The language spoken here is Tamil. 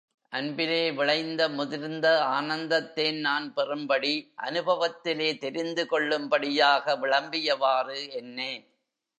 அன்பிலே விளைந்த முதிர்ந்த ஆனந்தத் தேன் நான் பெறும்படி, அநுபவத்திலே தெரிந்து கொள்ளும்படியாக, விளம்பியவாறு என்னே!